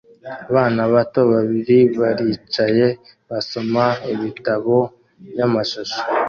Abana bato babiri baricaye basoma ibitabo byamashusho